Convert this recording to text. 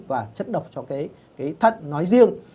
và chất độc cho cái thân nói riêng